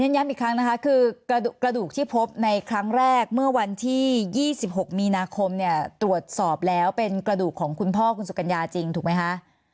ย้ำอีกครั้งนะคะคือกระดูกที่พบในครั้งแรกเมื่อวันที่๒๖มีนาคมเนี่ยตรวจสอบแล้วเป็นกระดูกของคุณพ่อคุณสุกัญญาจริงถูกไหมคะ